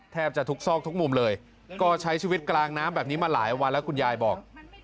แทบจะทุกซอกทุกมุมเลยก็ใช้ชีวิตกลางน้ำแบบนี้มาหลายวันแล้วคุณยายบอก